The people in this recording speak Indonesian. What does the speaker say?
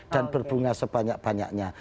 dan berbunga sebanyak banyaknya